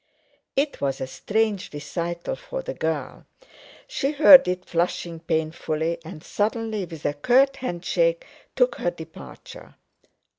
It was a strange recital for the girl. She heard it flushing painfully, and, suddenly, with a curt handshake, took her departure.